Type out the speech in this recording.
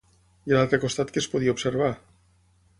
I a l'altre costat què es podia observar?